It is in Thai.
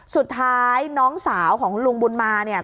สุดท้ายน้องสาวของลุงบุญมาเนี่ย